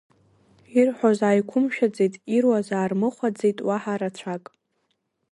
Ирҳәоз ааиқәымшәаӡеит, ируаз аармыхәаӡеит уаҳа рацәак.